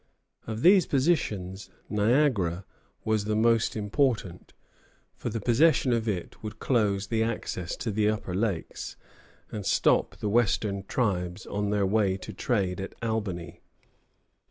Of these positions, Niagara was the most important, for the possession of it would close the access to the Upper Lakes, and stop the Western tribes on their way to trade at Albany.